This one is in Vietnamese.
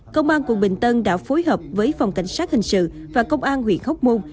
công an quận bình tân đã phối hợp với phòng cảnh sát hình sự và công an huyện hóc môn